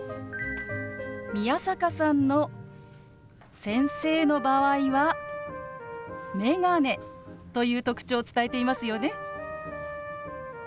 宮坂さんの先生の場合は「メガネ」という特徴を伝えていますよね。